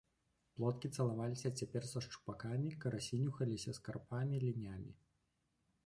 Плоткі цалаваліся цяпер са шчупакамі, карасі нюхаліся з карпамі, лінямі.